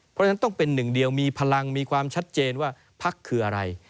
เพราะฉะนั้นต้องเป็นหนึ่งเดียวมีพลังมีความชัดเจนว่าพักคืออะไร